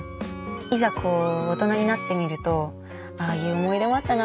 いざこう大人になってみるとああいう思い出もあったな